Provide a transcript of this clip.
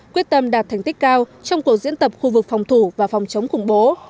quyết tâm đạt thành tích cao trong cuộc diễn tập khu vực phòng thủ và phòng chống khủng bố